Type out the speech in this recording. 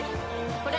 これ！